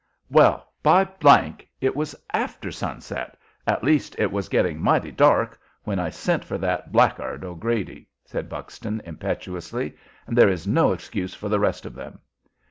"Well, by ! it was after sunset at least it was getting mighty dark when I sent for that black guard O'Grady," said Buxton, impetuously, "and there is no excuse for the rest of them."